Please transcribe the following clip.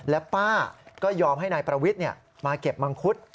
และป้าก็ยอมให้นายประวิทย์มาเก็บมังคุด